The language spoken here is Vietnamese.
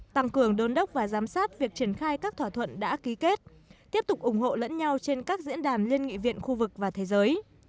tăng cường đôn đốc và giám sát việc triển khai các thỏa thuận đã ký kết tiếp tục ủng hộ lẫn nhau trên các diễn đàn liên nghị viện khu vực và thế giới